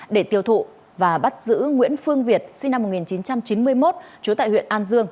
để tiêu thụ và bắt giữ nguyễn phương việt sinh năm một nghìn chín trăm chín mươi một trú tại huyện an dương